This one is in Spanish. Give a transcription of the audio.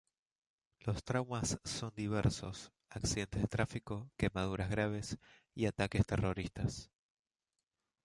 Los traumas son diversos, accidentes de tráfico, quemaduras graves, y ataques terroristas.